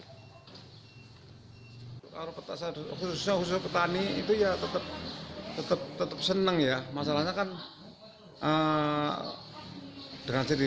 khususnya petani itu ya tetap senang ya masalahnya kan dengan sendiri